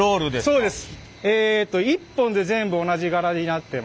そうです。